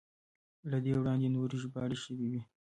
له دې وړاندې نورې ژباړې شوې وې.